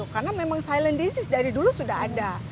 karena memang silent disease dari dulu sudah ada